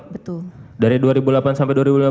betul dari dua ribu delapan sampai